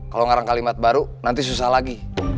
kalau ngarang kalimat baru nanti susah lagi